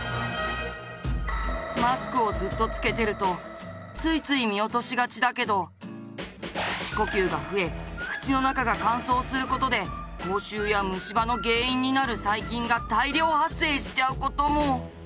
マスクをずっとつけてるとついつい見落としがちだけど口呼吸が増え口の中が乾燥する事で口臭や虫歯の原因になる細菌が大量発生しちゃう事も。